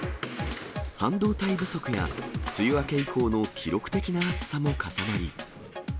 半導体不足や梅雨明け以降の記録的な暑さも重なり。